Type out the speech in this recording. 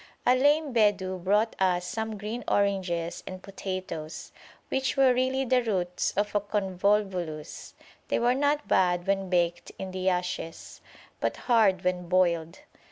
A lame Bedou brought us some green oranges and potatoes, which were really the roots of a convolvulus: they were not bad when baked in the ashes, but hard when boiled.